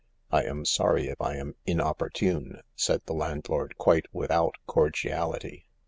" I am sorry if I am inopportune," said the landlord, quite without cordiality.